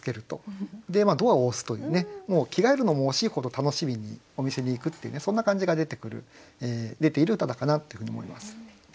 でドアを押すというねもう着替えるのも惜しいほど楽しみにお店に行くっていうそんな感じが出ている歌だなというふうに思います。